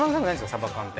サバ缶って。